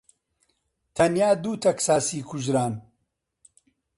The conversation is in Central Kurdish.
تەنیا دوو تەکساسی کوژران.